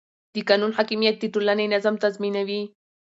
د قانون حاکمیت د ټولنې نظم تضمینوي